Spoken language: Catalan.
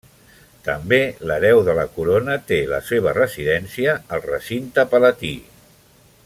També l'hereu de la Corona té la seva residència al recinte palatí.